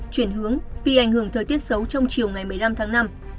chuyển hướng vì ảnh hưởng thời tiết xấu trong chiều ngày một mươi năm tháng năm